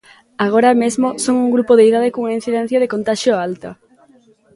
Agora mesmo, son un grupo de idade cunha incidencia de contaxio alta.